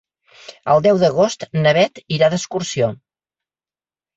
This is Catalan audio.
El deu d'agost na Beth irà d'excursió.